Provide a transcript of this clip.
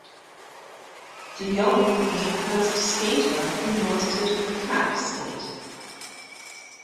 De Jong was the first skater who mastered the clap skate.